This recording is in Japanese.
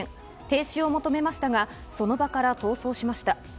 停止を求めましたが、その場から逃走しました。